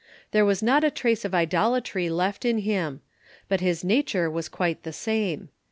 There was not a trace of idolatry left in him; but his nature was quite the same.